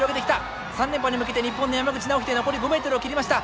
３連覇に向けて日本の山口尚秀残り５ｍを切りました。